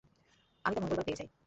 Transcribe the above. আমি তা মঙ্গলবার পেয়ে যাই।